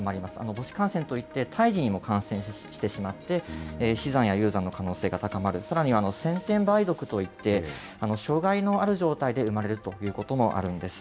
母子感染といって胎児にも感染してしまって、死産や流産の可能性が高まる、さらには先天梅毒といって、障害のある状態で産まれるということもあるんです。